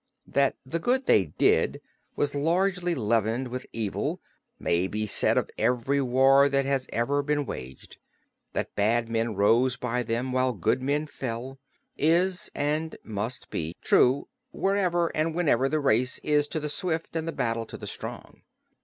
That the good they did was largely leavened with evil may be said of every war that has ever been waged; that bad men rose by them while good men fell, is and must be true, wherever and whenever the race is to the swift and the battle to the strong.